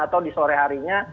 atau di sore harinya